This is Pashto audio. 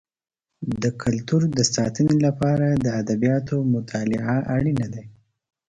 د کلتور د ساتنې لپاره د ادبیاتو مطالعه اړینه ده.